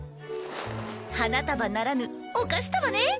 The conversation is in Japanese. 花束ならぬお菓子束ね。